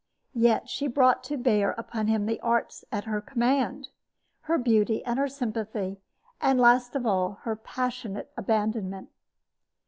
Yet she brought to bear upon him the arts at her command, her beauty and her sympathy, and, last of all, her passionate abandonment.